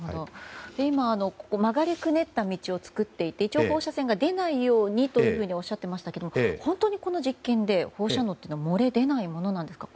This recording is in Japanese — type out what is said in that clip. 今、曲がりくねった道を作っていて一応、放射線が出ないようにともおっしゃっていましたが本当にこの実験で放射能は漏れ出ないものなんですか？